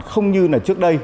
không như trước đây